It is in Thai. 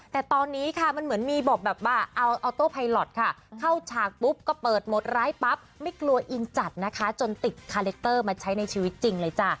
แต่ตอนนี้ค่ะมันเหมือนมีบอกแบบว่าเอาออโต้ไพลอทค่ะเข้าฉากปุ๊บก็เปิดหมดร้ายปั๊บไม่กลัวอินจัดนะคะจนติดคาแรคเตอร์มาใช้ในชีวิตจริงเลยจ้ะ